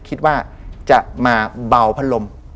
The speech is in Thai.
คิดว่าจะมาเบาพัดลม